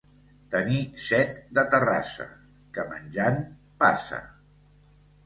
Tenir set de Terrassa, que, menjant, passa.